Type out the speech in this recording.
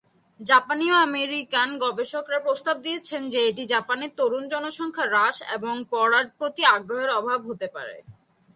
জাপানি ও আমেরিকান গবেষকরা প্রস্তাব দিয়েছেন যে এটি জাপানের তরুণ জনসংখ্যা হ্রাস এবং পড়ার প্রতি আগ্রহের অভাবে হতে পারে।